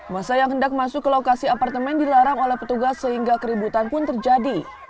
masa yang hendak masuk ke lokasi apartemen dilarang oleh petugas sehingga keributan pun terjadi